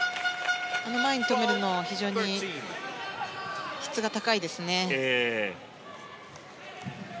前に止めるのは非常に質が高いですね。